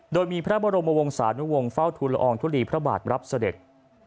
โดยมีพระบรมวงศานุวงศ์เฝ้าทุลอองทุลีพระบาทรับเสด็จ